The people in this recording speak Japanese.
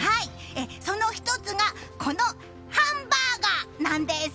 その１つがこのハンバーガーなんです。